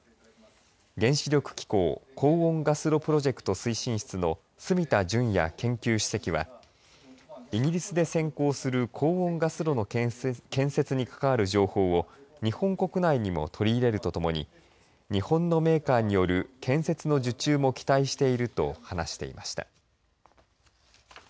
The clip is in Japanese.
原子力機構高温ガス炉プロジェクト推進室の角田淳弥研究主席はイギリスで先行する高温ガス炉の建設に関わる情報を日本国内にも取り入れるとともに日本のメーカーによる建設の受注も期待していると話していました。